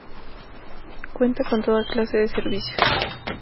Cuenta con toda clase de servicios.